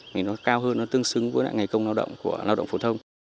thì nó cao hơn nó tương xứng với lại ngày công lao động của lao động phổ thông